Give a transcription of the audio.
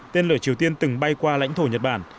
tên lửa triều tiên từng bay qua lãnh thổ nhật bản